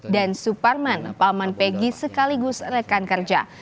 dan suparman paman peggy sekaligus rekan kerja